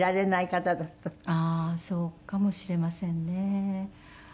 ああーそうかもしれませんね。